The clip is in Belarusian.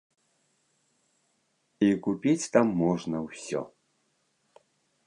І купіць там можна ўсё.